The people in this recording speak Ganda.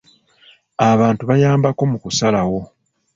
Abantu bayambako mu kusalawo.